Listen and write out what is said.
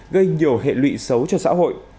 gây nhiều hệ lụy xấu cho xã hội